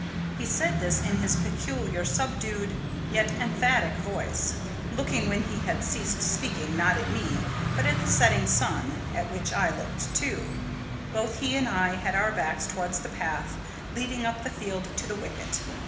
He said this, in his peculiar, subdued, yet emphatic voice; looking, when he had ceased speaking, not at me, but at the setting sun, at which I looked too. Both he and I had our backs towards the path leading up the field to the wicket.